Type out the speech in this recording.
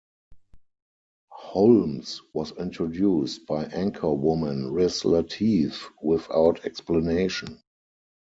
Holmes was introduced by anchorwoman Riz Lateef without explanation.